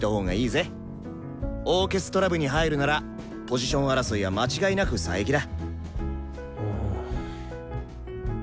オーケストラ部に入るならポジション争いは間違いなく佐伯だ。